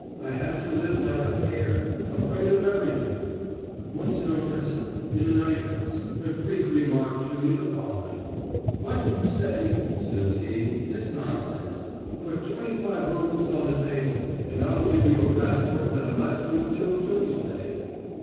I had to live like a hare afraid of everything. But once in Odessa, in a night house, a Greek remarked to me the following: 'What you say,' says he, 'is nonsense. Put twenty five roubles on the table, and I'll give you a passport that'll last you till doomsday.'